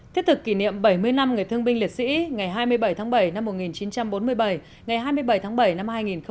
thiết thực kỷ niệm bảy mươi năm ngày thương binh liệt sĩ ngày hai mươi bảy tháng bảy năm một nghìn chín trăm bốn mươi bảy ngày hai mươi bảy tháng bảy năm hai nghìn một mươi chín